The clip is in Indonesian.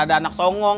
dari kita yang vraag